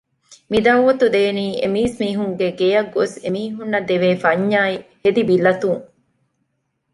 މި ދަޢުވަތު ދޭނީ އެ މީސްމީހުންގެ ގެޔަށް ގޮސް އެ މީހުންނަށް ދެވޭ ފަންޏާއި ހެދިބިލަތުން